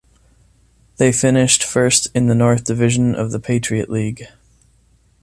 They finished first in the north division of the Patriot League.